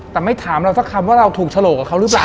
แต่ไม่ถามเราสักคำว่าเราถูกฉลกกับเขาหรือเปล่า